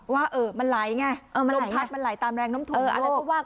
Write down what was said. ว่ามันไหลไงนมพัดมันไหลตามแรงโน้มถวงโลก